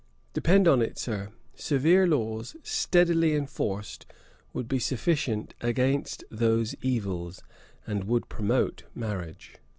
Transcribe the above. Depend upon it, Sir, severe laws, steadily enforced, would be sufficient against those evils, and would promote marriage.'